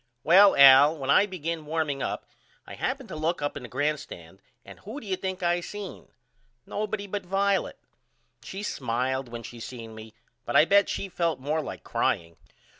Well Al when I begin warming up I happened to look up in the grand stand and who do you think I seen? Nobody but Violet. She smiled when she seen me but I bet she felt more like crying.